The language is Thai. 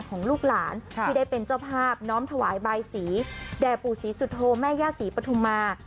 ที่ได้เป็นเจ้าภาพน้อมถวายใบสีแด่บปู่สีสุโธมแม่ย่าสีปฐุมา